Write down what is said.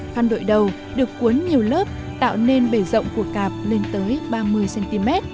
khăn đội đầu được cuốn nhiều lớp tạo nên bể rộng của cạp lên tới ba mươi cm